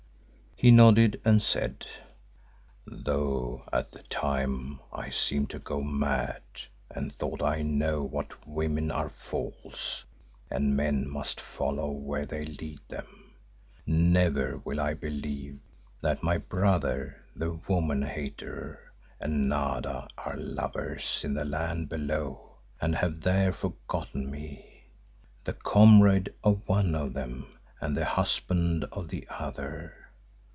He nodded and said, "Though at the time I seemed to go mad and though I know that women are false and men must follow where they lead them, never will I believe that my brother, the woman hater, and Nada are lovers in the land below and have there forgotten me, the comrade of one of them and the husband of the other.